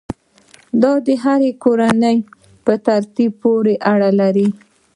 دا د هرې کورنۍ په تربیې پورې اړه لري.